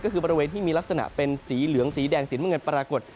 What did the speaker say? ก็คือบริเวณที่มีลักษณะเป็นสีเหลืองสีแดงสีน้ำเงินปรากฏ